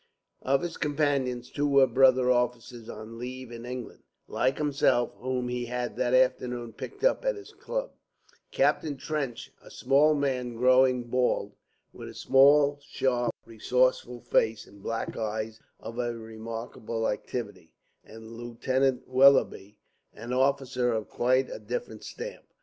Of his companions two were brother officers on leave in England, like himself, whom he had that afternoon picked up at his club, Captain Trench, a small man, growing bald, with a small, sharp, resourceful face and black eyes of a remarkable activity, and Lieutenant Willoughby, an officer of quite a different stamp.